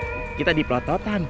im im kita di plototan